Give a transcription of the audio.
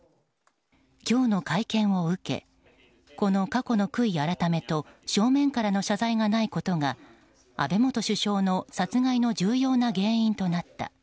今日の会見を受けこの過去の悔い改めと正面からの謝罪がないことが安倍元首相の殺害の重要な原因となった。